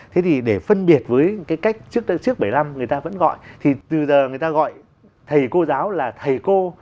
thế thì để phân biệt với cái cách trước bảy mươi năm người ta vẫn gọi thì từ giờ người ta gọi thầy cô giáo là thầy cô